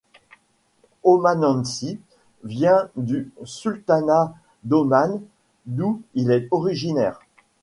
Omanensis vient du sultanat d’Oman d’où il est originaire.